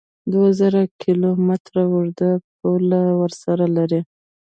دوه زره کیلو متره اوږده پوله ورسره لري